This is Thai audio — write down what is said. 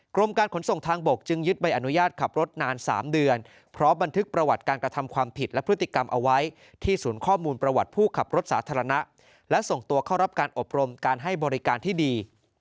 กรมการขนส่งทางบกจึงยึดใบอนุญาตขับรถนาน๓เดือนพร้อมบันทึกประวัติการกระทำความผิดและพฤติกรรมเอาไว้ที่ศูนย์ข้อมูลประวัติผู้ขับรถสาธารณะและส่งตัวเข้ารับการอบรมการให้บริการที่ดี